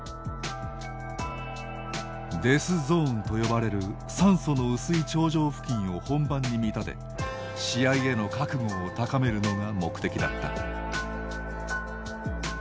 デスゾーンと呼ばれる酸素の薄い頂上付近を本番に見立て試合への覚悟を高めるのが目的だった。